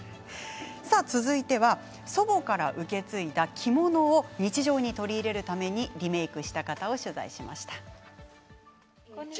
続いては祖母から受け継いだ着物を日常に取り入れるためにリメークした方を取材しました。